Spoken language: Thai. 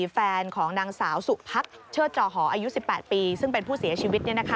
แฟนของนางสาวสุพักเชิดจอหออายุ๑๘ปีซึ่งเป็นผู้เสียชีวิต